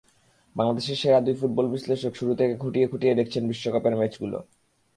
বাংলাদেশের সেরা দুই ফুটবল বিশ্লেষক শুরু থেকে খুঁটিয়ে খুঁটিয়ে দেখছেন বিশ্বকাপের ম্যাচগুলো।